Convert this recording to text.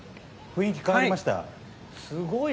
雰囲気変わりました？